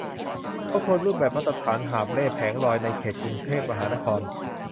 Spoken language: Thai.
ทบทวนรูปแบบมาตรฐานหาบเร่แผงลอยในเขตกรุงเทพมหานคร